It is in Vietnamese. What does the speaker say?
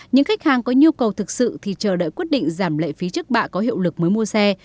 những khách hàng có nhu cầu thực sự thì chờ đợi quyết định giảm lệ phí trước bạ có hiệu lực mới mua xe